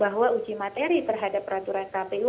bahwa uji materi terhadap peraturan kpu